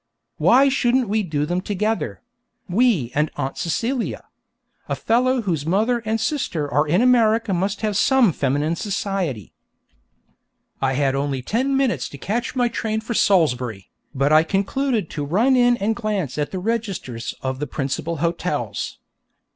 Why shouldn't we do them together we and Aunt Celia? A fellow whose mother and sister are in America must have some feminine society! I had only ten minutes to catch my train for Salisbury, but I concluded to run in and glance at the registers of the principal hotels.